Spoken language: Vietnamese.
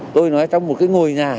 tôi nói trong một cái ngồi nhà